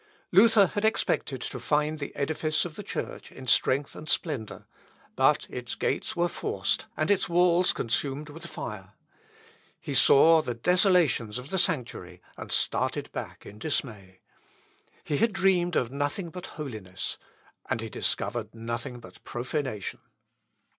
(Ibid., p. 1320.) Luther had expected to find the edifice of the church in strength and splendour, but its gates were forced, and its walls consumed with fire. He saw the desolations of the sanctuary, and started back in dismay. He had dreamed of nothing but holiness, and he discovered nothing but profanation.